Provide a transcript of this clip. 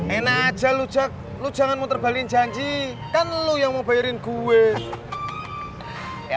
enak jalur cak lu jangan mau terbalik janji kan lu yang mau bayarin gue ya